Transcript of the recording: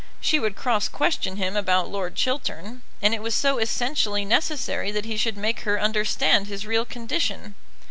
She would cross question him about Lord Chiltern, and it was so essentially necessary that he should make her understand his real condition.